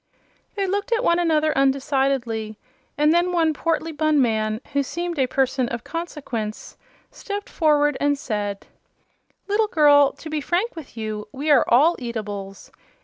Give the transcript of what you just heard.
They looked at one another undecidedly, and then one portly bun man, who seemed a person of consequence, stepped forward and said: "Little girl, to be frank with you, we are all eatables.